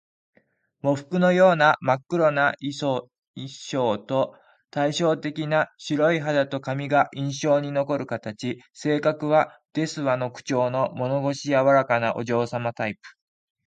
喪服のような真っ黒な衣装と、対照的な白い肌と髪が印象に残る人形。性格は「ですわ」口調の物腰柔らかなお嬢様タイプ